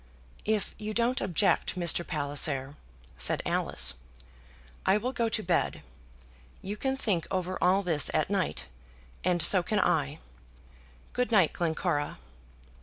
"If you don't object, Mr. Palliser," said Alice, "I will go to bed. You can think over all this at night, and so can I. Good night, Glencora."